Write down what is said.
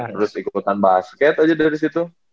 terus ikutan basket aja dari situ